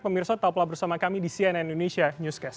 pemirsa tetaplah bersama kami di cnn indonesia newscast